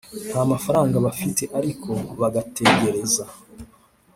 nta mafaranga bafite ariko bagategereza